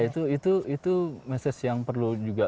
itu itu itu yang perlu juga